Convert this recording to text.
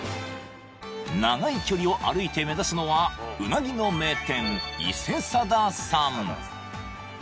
長い距離を歩いて目指すのはうなぎの名店伊勢定さん